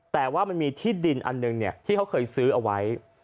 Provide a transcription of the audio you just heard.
แต่ว่ามันมีที่ดินอันหนึ่งที่เขาเคยซื้อเอาไว้